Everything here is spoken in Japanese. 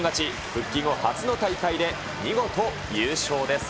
復帰後初の大会で、見事優勝です。